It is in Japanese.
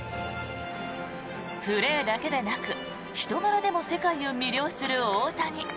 プレーだけでなく人柄でも世界を魅了する大谷。